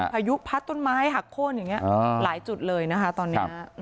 พายุพัดต้นไม้หักโค้นอย่างนี้หลายจุดเลยนะคะตอนนี้